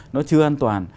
nó chưa an toàn